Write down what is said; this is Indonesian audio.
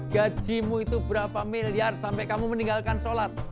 gajimu itu berapa miliar sampai kamu meninggalkan sholat